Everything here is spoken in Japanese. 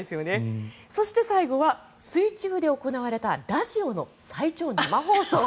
そして最後は水中で行われたラジオの最長生放送。